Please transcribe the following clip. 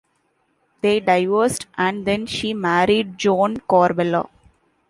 They divorced and then she married Joan Corbella.